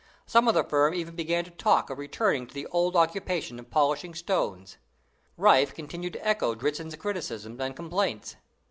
Some of the firm even began to talk of returning to the old occupation of polishing stones. Riffe continued to echo Dritzhn's criticisms and complaints.